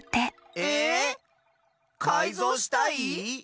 ええっ⁉かいぞうしたい？